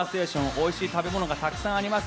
おいしい食べ物がたくさんあります。